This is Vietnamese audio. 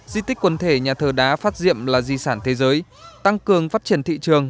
di tích quần thể nhà thờ đá phát diệm là di sản thế giới tăng cường phát triển thị trường